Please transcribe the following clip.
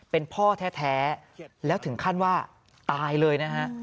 เป็นพ่อแท้แล้วถึงขั้นว่าตายเลยนะฮะ